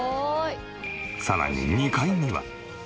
さらに２階には。